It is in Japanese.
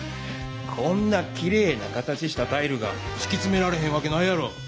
こんなきれいな形したタイルがしきつめられへんわけないやろ！